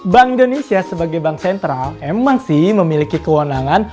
bank indonesia sebagai bank sentral emang sih memiliki kewenangan